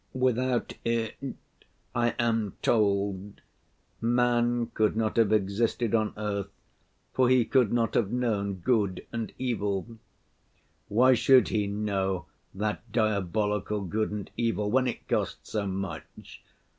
Without it, I am told, man could not have existed on earth, for he could not have known good and evil. Why should he know that diabolical good and evil when it costs so much?